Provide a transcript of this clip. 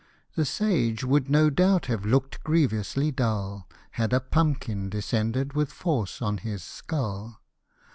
The sage would no doubt have look'd grievously dull, Had a pumpkin descended with force en his skull.